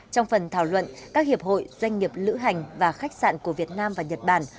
trong phần thảo luận các hiệp hội doanh nghiệp lữ hành và khách sạn của việt nam và nhật bản